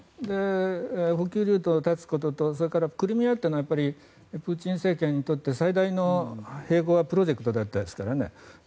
補給ルートを断つこととクリミアというのはプーチン政権にとって最大の併合プロジェクトであったですからね。